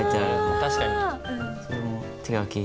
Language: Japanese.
確かに。